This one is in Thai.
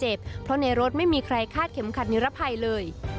ไม่มีใครบาดเจ็บเพราะในรถไม่มีใครคาดเข็มขัดนิรภัยเลย